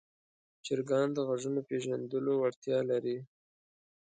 چرګان د غږونو پېژندلو وړتیا لري.